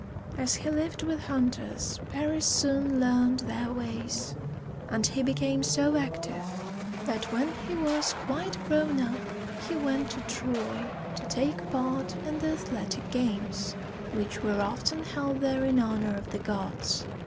As he lived with hunters, Paris soon learned their ways; and he became so active that when he was quite grown up he went to Troy to take part in the athletic games, which were often held there in honor of the gods.